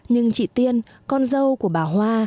nhưng chị tiên con dâu của bà hoa